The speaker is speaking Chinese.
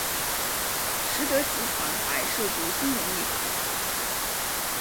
实德集团还涉足金融领域。